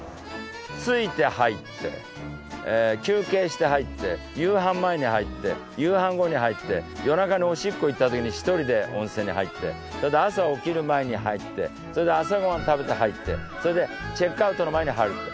着いて入って休憩して入って夕飯前に入って夕飯後に入って夜中におしっこ行ったときに１人で温泉に入ってそれで朝起きる前に入ってそれで朝ごはん食べて入ってそれでチェックアウトの前に入って。